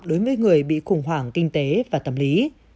đối với người bị khủng hoảng kinh tế và tâm lý